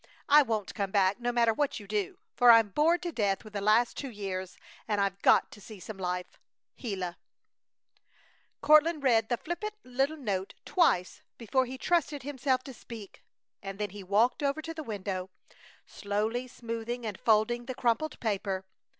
I won't come back, no matter what you do, for I'm bored to death with the last two years and I've got to see some life! GILA Courtland read the flippant little note twice before he trusted himself to speak, and then he walked over to the window, slowly smoothing and folding the crumpled paper.